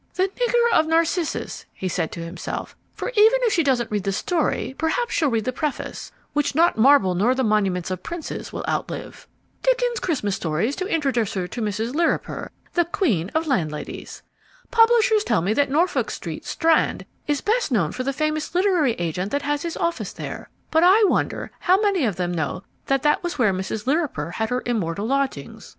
"The Nigger of the Narcissus," he said to himself, "for even if she doesn't read the story perhaps she'll read the preface, which not marble nor the monuments of princes will outlive. Dickens' Christmas Stories to introduce her to Mrs. Lirriper, the queen of landladies. Publishers tell me that Norfolk Street, Strand, is best known for the famous literary agent that has his office there, but I wonder how many of them know that that was where Mrs. Lirriper had her immortal lodgings?